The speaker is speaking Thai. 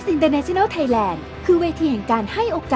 สนุนโดยสถาบันความงามโย